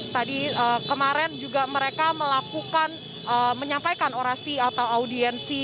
tadi kemarin juga mereka melakukan menyampaikan orasi atau audiensi